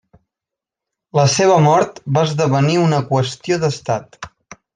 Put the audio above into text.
La seva mort va esdevenir una qüestió d'estat.